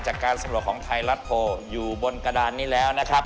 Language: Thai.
จากการสำรวจของไทยรัฐโพลอยู่บนกระดานนี้แล้วนะครับ